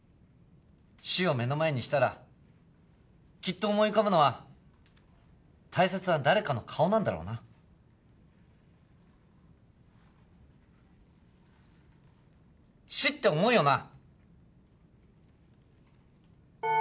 死を目の前にしたらきっと思い浮かぶのは大切な誰かの顔なんだろうな死って重いよな